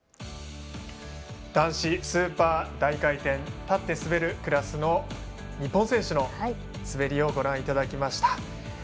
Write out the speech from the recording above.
男子スーパー大回転立って滑るクラスの日本選手の滑りをご覧いただきました。